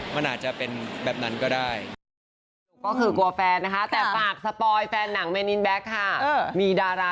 มันอาจจะเป็นแบบนั้นก็ได้